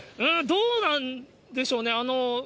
どうなんでしょうね。